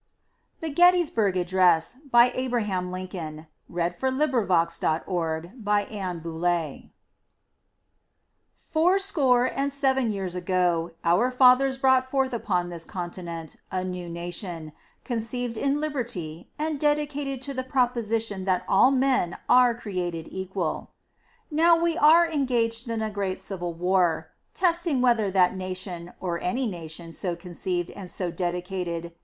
Address, given November 19, 1863 on the battlefield near Gettysburg, Pennsylvania, USA Four score and seven years ago, our fathers brought forth upon this continent a new nation: conceived in liberty, and dedicated to the proposition that all men are created equal. Now we are engaged in a great civil war. . .testing whether that nation, or any nation so conceived and so dedicated.